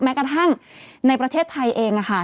แม้กระทั่งในประเทศไทยเองค่ะ